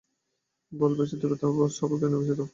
বলে, বেচে দেবে তো দাও না, সব গয়না, বেচে দাও।